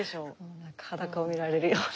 なんか裸を見られるような。